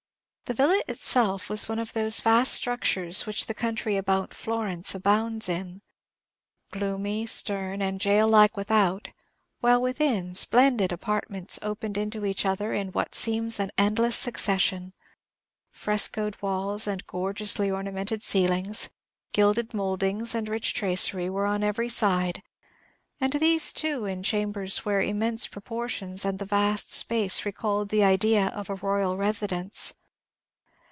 The villa itself was one of those vast structures which the country about Florence abounds in. Gloomy, stern, and jail like without, while within, splendid apartments opened into each other in what seems an endless succession. Frescoed walls and gorgeously ornamented ceilings, gilded mouldings and rich tracery, were on every side; and these, too, in chambers where the immense proportions and the vast space recalled the idea of a royal residence.